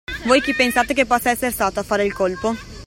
“Voi chi pensate che possa essere stato a fare il colpo?